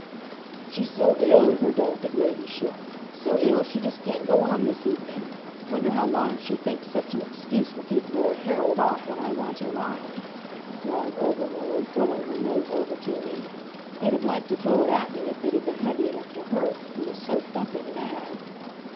"She's so ill, her delicate Ladyship! So ill she just can't go on this evening! Wonder how long she thinks such an excuse will keep Lord Harold off when I want him on!" growled Obermuller, throwing her note over to me. He'd have liked to throw it at me if it'd been heavy enough to hurt; he was so thumping mad.